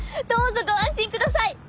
どうぞご安心ください！